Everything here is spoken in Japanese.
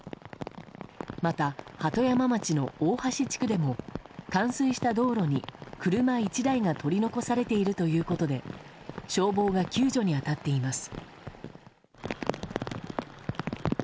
また、鳩山町の大橋地区でも冠水した道路に車１台が取り残されているということで消防が救助に当たっています。